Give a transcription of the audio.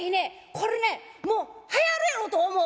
これねもうはやるやろと思う」。